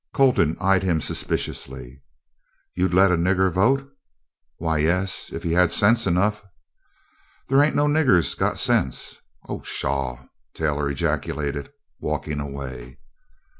Colton eyed him suspiciously. "You'd let a nigger vote?" "Why, yes, if he had sense enough." "There ain't no nigger got sense." "Oh, pshaw!" Taylor ejaculated, walking away.